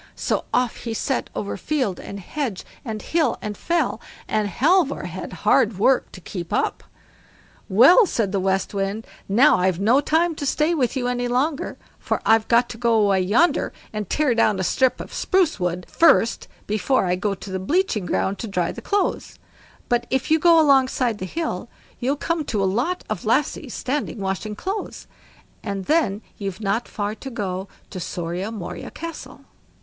So off he set over field and hedge, and hill and fell, and Halvor had hard work to keep up. "Well", said the West Wind, "now I've no time to stay with you any longer, for I've got to go away yonder and tear down a strip of spruce wood first before I go to the bleaching ground to dry the clothes; but if you go alongside the hill you'll come to a lot of lassies standing washing clothes, and then you've not far to go to SORIA MORIA CASTLE."